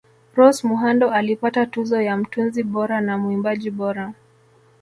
Rose Muhando alipata tuzo ya mtunzi bora na muimbaji bora